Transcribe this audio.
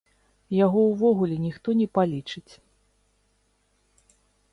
Яго ўвогуле ніхто не палічыць!